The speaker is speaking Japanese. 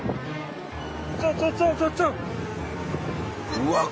うわっ！